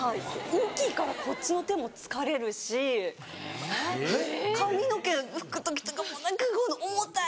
大きいからこっちの手も疲れるし髪の毛拭く時とかもう何か重たい！